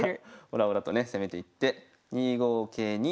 オラオラとね攻めていって２五桂に。